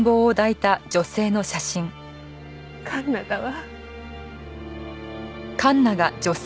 環奈だわ。